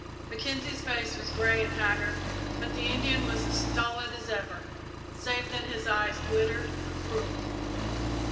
Mackenzie's face was grey and haggard, but the Indian was as stolid as ever, save that his eyes glittered cruelly.